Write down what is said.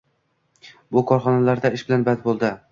bu korxonalarda ish bilan band bo‘ldi.